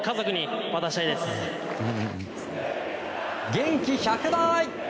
元気１００倍！